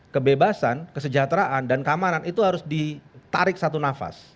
kebebasan kesejahteraan dan keamanan itu harus ditarik satu nafas